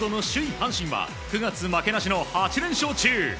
阪神は、９月負けなしの８連勝中。